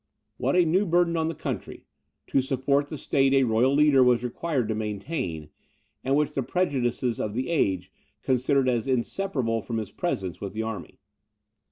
What a new burden on the country, to support the state a royal leader was required to maintain, and which the prejudices of the age considered as inseparable from his presence with the army!